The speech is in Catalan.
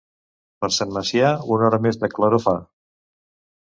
Per Sant Macià, una hora més de claror fa.